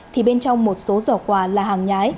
thì bên trong một số giỏ quà là hàng nhái